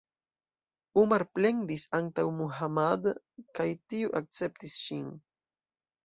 Umar plendis antaŭ Muhammad kaj tiu akceptis ŝin.